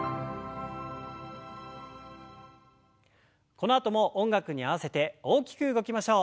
このあとも音楽に合わせて大きく動きましょう。